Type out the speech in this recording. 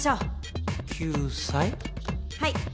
はい。